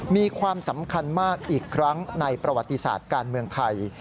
มีความสำคัญมากอีกครั้งในประวัติศาสตร์การเมืองไทย